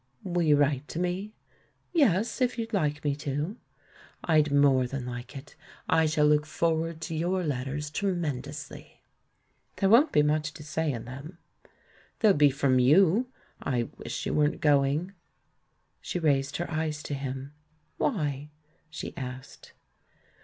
"Will you write to me ?" "Yes, if you'd like me to." "I'd more than like it — I shall look forward to your letters tremendously." "There won't be much to say in them." "They'll be from you. ... I wish you weren't going." She raised her eyes to him. "Why?" she asked.